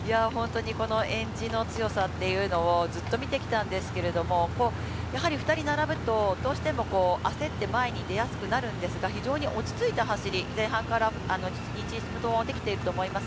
このえんじの強さというのをずっと見てきたんですけれども、やはり２人並ぶと、どうしても焦って前に出やすくなるんですけれども、非常に落ち着いた走り、前半から２チームともできていると思います。